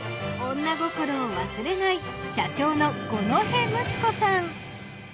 女心を忘れない社長の五戸睦子さん。